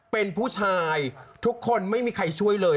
เป็นผู้ชายทุกคนไม่มีใครช่วยเลย